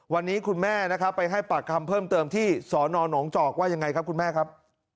วันนี้คุณแม่นะครับไปให้ปากคำเพิ่มเติมที่สนหนองจอกว่ายังไงครับคุณแม่ครับ